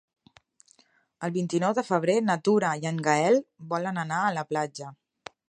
El vint-i-nou de febrer na Tura i en Gaël volen anar a la platja.